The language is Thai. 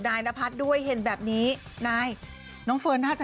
นายนะพัดด้วยเห็นแบบนี้นายเงินข้าวน้องเสิร์ฟน่าจะ